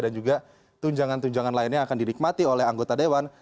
dan juga tunjangan tunjangan lainnya akan didikmati oleh anggota dewan